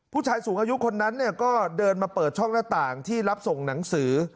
ผู้ชายสูงอายุคนนั้นก็เดินมาเปิดช่องหน้าต่างที่รับส่งหนังสือ